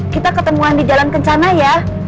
kita ketemuan di jalan kencana ya